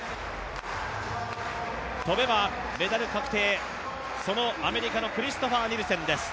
跳べばメダル確定、そのアメリカのクリストファー・ニルセンです。